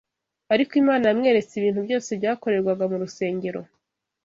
ariko Imana yamweretse ibintu byose byakorerwaga mu rusengero